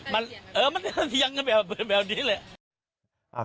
มันเถียงกันแบบนี้เลย